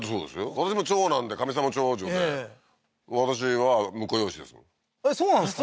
私も長男でかみさんも長女で私は婿養子ですえっそうなんですか？